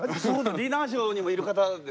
ディナーショーにもいる方ですか？